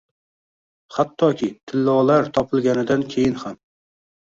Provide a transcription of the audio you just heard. Hattoki tillolarlar topilganidan keyin ham.